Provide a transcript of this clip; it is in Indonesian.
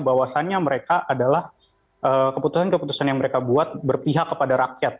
bahwasannya mereka adalah keputusan keputusan yang mereka buat berpihak kepada rakyat